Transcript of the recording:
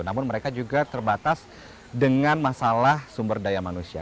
namun mereka juga terbatas dengan masalah sumber daya manusia